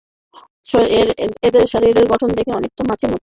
এদের শরীরের গঠন দেখতে অনেকটা মাছির মতো।